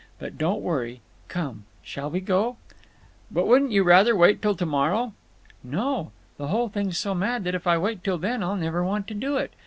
But don't worry…. Come! Shall we go?" "But wouldn't you rather wait till to morrow?" "No. The whole thing's so mad that if I wait till then I'll never want to do it.